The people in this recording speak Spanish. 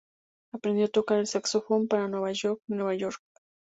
Aprendió a tocar el saxofón para "New York, New York".